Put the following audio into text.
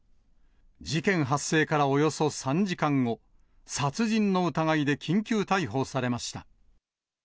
事件発生からおよそ３時間後、殺人の疑いで緊急逮捕されました。